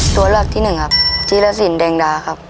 ตัวเลือกที่หนึ่งครับธีรสินแดงดาครับ